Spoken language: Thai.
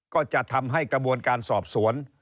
ก็จะทำให้กระบวนการสอบสวน